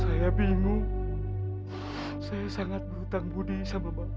saya bingung saya sangat berhutang budi sama bapak